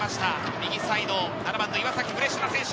右サイド７番の岩崎、フレッシュな選手。